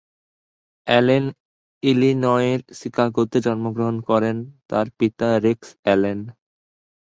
Allen ইলিনয়ের শিকাগোতে জন্মগ্রহণ করেন। তার পিতা রেক্স অ্যালেন।